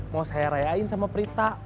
mau saya reain sama prita